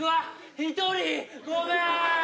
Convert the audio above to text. １人？ごめん！